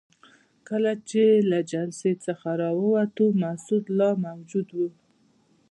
کله چې له جلسې څخه راووتو مسعود لا موجود وو.